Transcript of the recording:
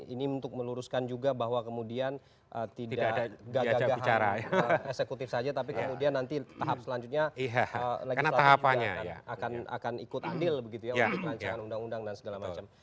ini untuk meluruskan juga bahwa kemudian tidak gagah gagahan eksekutif saja tapi kemudian nanti tahap selanjutnya legislatif juga akan ikut andil begitu ya untuk rancangan undang undang dan segala macam